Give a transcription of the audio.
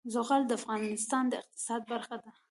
زغال د افغانستان د اقتصاد برخه ده.